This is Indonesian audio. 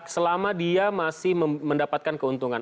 selama dia masih mendapatkan keuntungan